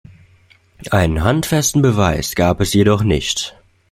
Einen handfesten Beweis gab es jedoch nicht.